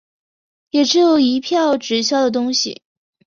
也只有一票直销的东西